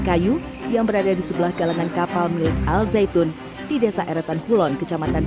kayu yang berada di sebelah galangan kapal milik al zaitun di desa eretan hulon kecamatan